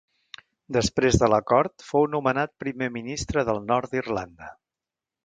Després de l'acord, fou nomenat primer ministre del nord d'Irlanda.